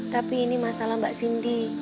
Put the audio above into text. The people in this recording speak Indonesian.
tapi ini masalah mbak cindy